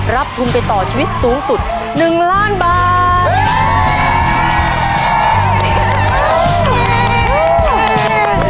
รับทุนไปต่อชีวิตสูงสุด๑ล้านบาท